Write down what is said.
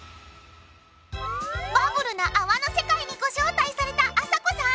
バブルなあわの世界にご招待されたあさこさん。